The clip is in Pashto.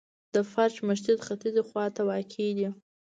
د فرش مسجد ختیځي خواته واقع دی.